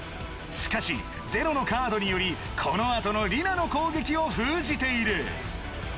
しかし０のカードによりこのあとのリナの攻撃を封じている。